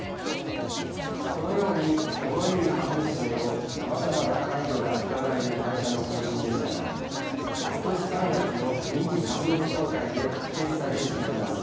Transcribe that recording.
このように、もの言う株主へのさまざまな配慮がうかがえる会社の方針でしたが今年３月の臨時株主総会で否決されてしまいます。